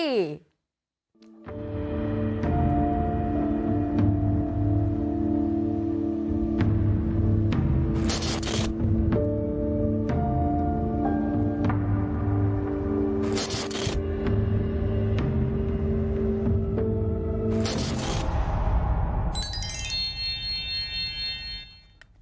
ช่วงต้นที